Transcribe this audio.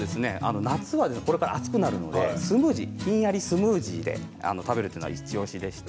これから夏暑くなりますのでひんやりスムージーで食べるというのが、イチおしです。